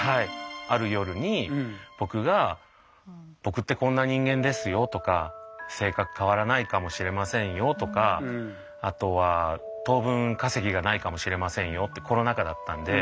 ある夜に僕が「僕ってこんな人間ですよ」とか「性格変わらないかもしれませんよ」とかあとは「当分稼ぎがないかもしれませんよ」ってコロナ禍だったんで。